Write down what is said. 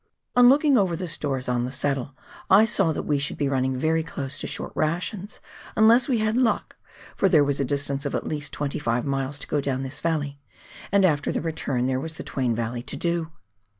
On looking over the stores on the saddle, I saw that we should be running very close to short rations unless we had luck, for there was a distance of at least twenty five miles to go down this valley, and after the return there was the Twain Valley to do.